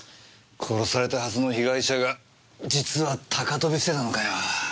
殺されたはずの被害者が実は高飛びしてたのかよ。